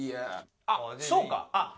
あっそうか。